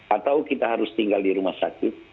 atau kita harus tinggal di rumah sakit